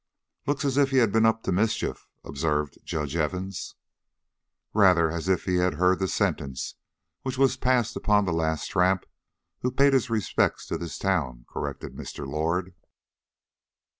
"Looks as if he had been up to mischief," observed Judge Evans. "Rather as if he had heard the sentence which was passed upon the last tramp who paid his respects to this town," corrected Mr. Lord.